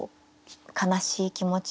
悲しい気持ち